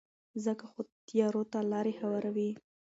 ځکه خو تیارو ته لارې هواروي.